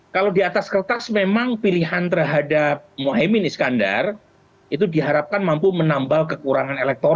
kalau di atas kertas memang pilihan terhadap mohaimin iskandar itu diharapkan mampu menambal kekurangan elektronik